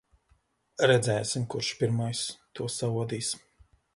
Redzēsim, kurš pirmais to saodīs.